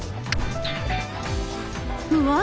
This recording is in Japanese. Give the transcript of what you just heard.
うわ！